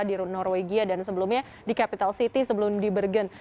di norwegia dan sebelumnya di capital city sebelum di bergen